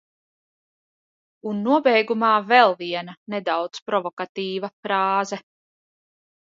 Un nobeigumā vēl viena nedaudz provokatīva frāze.